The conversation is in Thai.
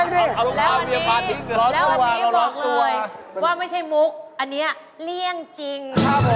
แล้ววันนี้บอกเลยว่าไม่ใช่มุกอันนี้เลี่ยงจริง